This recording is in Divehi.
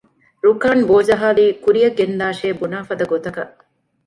ރުކާން ބޯޖަހާލީ ކުރިއަށް ގެންދާށޭ ބުނާފަދަ ގޮތަކަށް